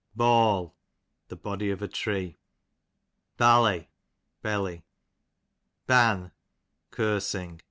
Ball, the body of a tree. ^ Bally, belly. Ban, cursing.